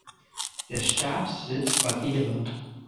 Der Stabssitz war Gera.